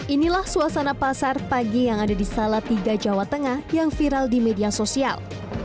inilah suasana pasar pagi yang ada di salatiga jawa tengah yang viral di media sosial